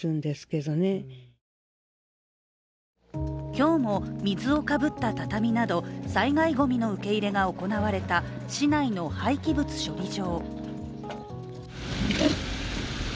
今日も水をかぶった畳など災害ゴミの受け入れが行われた市内の廃棄物処理場。